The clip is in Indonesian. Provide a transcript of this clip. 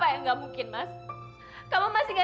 apa yang gak mungkin mas kamu masih gak sadar